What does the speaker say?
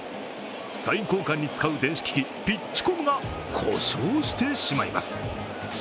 サイン交換に使う電子機器ピッチコムが故障してしまいます。